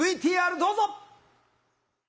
ＶＴＲどうぞ！